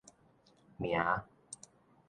名